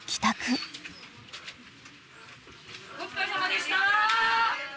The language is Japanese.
・お疲れさまでした。